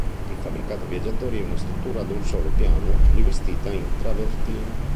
Il fabbricato viaggiatori è una struttura ad un solo piano rivestita in travertino.